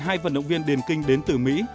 hai vận động viên điền kinh đến từ mỹ